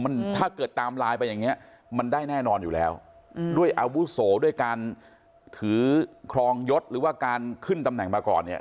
มันถ้าเกิดตามไลน์ไปอย่างเงี้ยมันได้แน่นอนอยู่แล้วด้วยอาวุโสด้วยการถือครองยศหรือว่าการขึ้นตำแหน่งมาก่อนเนี่ย